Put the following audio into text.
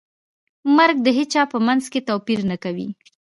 مرګ د هیچا په منځ کې توپیر نه کوي.